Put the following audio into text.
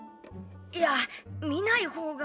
いや見ない方が。